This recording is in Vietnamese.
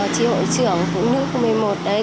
tri hội trưởng phụ nữ khu một mươi một đấy